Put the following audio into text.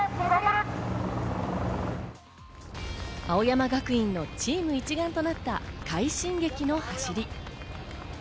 青山学院のチーム一丸となった快進撃の走り。